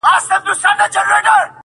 o سل ئې مړه کړه لا ئې بدي نه بولې٫